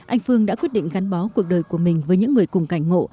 anh phương đã quyết định gắn bó cuộc đời của mình với những người cùng cảnh ngộ